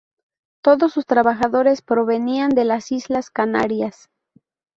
Todos sus trabajadores provenían de las islas Canarias.